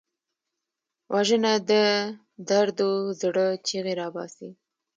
وژنه د دردو زړه چیغې راوباسي